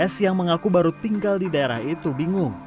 s yang mengaku baru tinggal di daerah itu bingung